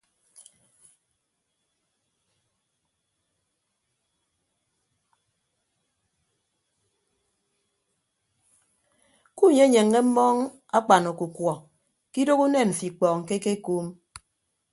Kunyenyeññe mmọọñ akpan ọkukuọ ke idooho unen mfo ikpọọñ ke ekekuum.